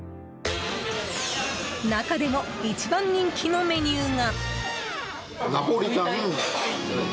中でも一番人気のメニューが。